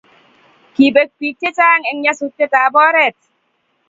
Kipek pik che chanh en nyasutet ab oret